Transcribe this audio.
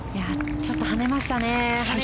ちょっと跳ねましたね。